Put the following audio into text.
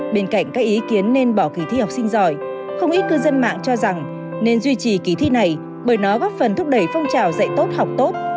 bên cạnh các ý kiến nên bỏ kỳ thi học sinh giỏi không ít cư dân mạng cho rằng nên duy trì kỳ thi này bởi nó góp phần thúc đẩy phong trào dạy tốt học tốt